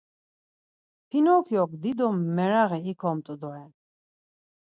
Pinokyok dido meraği ikomt̆u doren.